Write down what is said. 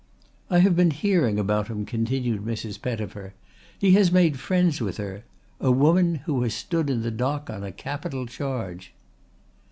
"I have been hearing about him," continued Mrs. Pettifer. "He has made friends with her a woman who has stood in the dock on a capital charge."